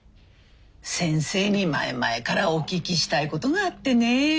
先生に前々からお聞きしたいことがあってね。